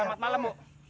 selamat malam bu